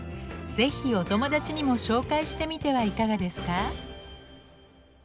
是非お友達にも紹介してみてはいかがですか？